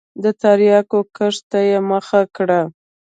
د تریاکو کښت ته یې مخه کړه.